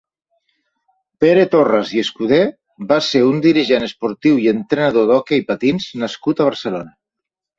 Pere Torras i Escudé va ser un dirigent esportiu i entrenador d'hoquei patins nascut a Barcelona.